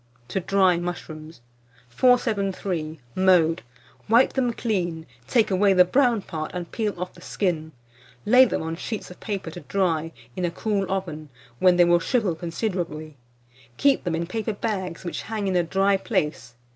TO DRY MUSHROOMS. 473. Mode. Wipe them clean, take away the brown part, and peel off the skin; lay them on sheets of paper to dry, in a cool oven, when they will shrivel considerably. Keep them in paper bags, which hang in a dry place.